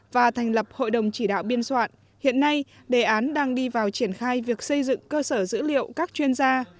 và thành lập hội đồng chỉ đạo biên soạn hiện nay đề án đang đi vào triển khai việc xây dựng cơ sở dữ liệu các chuyên gia